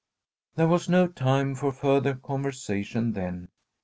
There was no time for further conversation then.